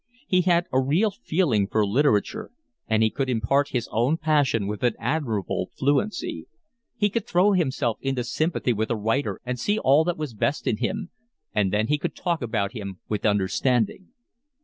He had a real feeling for literature, and he could impart his own passion with an admirable fluency. He could throw himself into sympathy with a writer and see all that was best in him, and then he could talk about him with understanding.